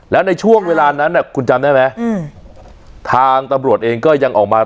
แล้วในช่วงเวลานั้นคุณจำได้ไหมทางตำรวจเองก็ยังออกมา